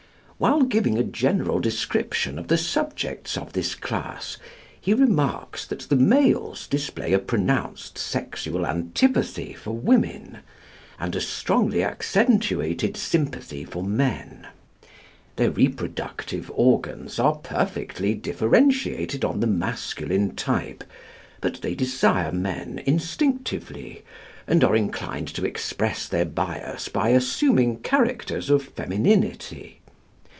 While giving a general description of the subjects of this class, he remarks that the males display a pronounced sexual antipathy for women, and a strongly accentuated sympathy for men. Their reproductive organs are perfectly differentiated on the masculine type; but they desire men instinctively, and are inclined to express their bias by assuming characters of femininity.